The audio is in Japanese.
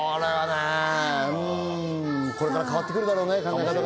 これから変わってくるだろうね。